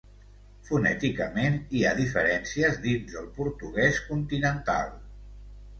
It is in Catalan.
Fonèticament, hi ha diferències dins del portuguès continental.